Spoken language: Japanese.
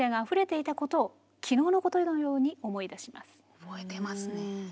覚えてますね。